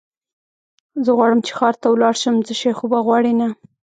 زه غواړم چې ښار ته ولاړ شم، څه شی خو به غواړې نه؟